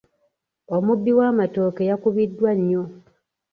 Omubbi w'amatooke yakubiddwa nnyo.